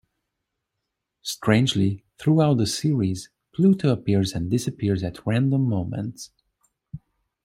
Strangely, throughout the series, Pluto appears and disappears at random moments.